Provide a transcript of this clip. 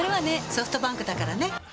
ソフトバンクだからね。